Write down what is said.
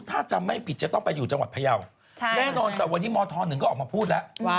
ถ้าจำไม่ผิดจะต้องไปอยู่จังหวัดพยาวแน่นอนแต่วันนี้มธ๑ก็ออกมาพูดแล้ว